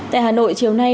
tại hà nội chiều nay